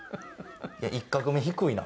いや１画目低いな。